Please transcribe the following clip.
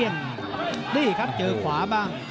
นี่ครับเจอขวาบ้าง